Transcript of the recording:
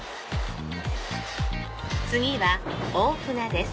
次は大船です。